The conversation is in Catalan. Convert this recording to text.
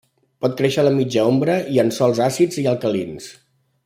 Pot créixer a la mitja ombra i en sòls àcids o alcalins.